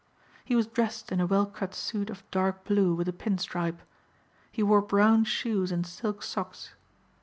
He was dressed in a well cut suit of dark blue with a pin stripe. He wore brown shoes and silk socks.